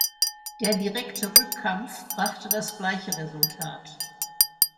Der direkte Rückkampf brachte das gleiche Resultat.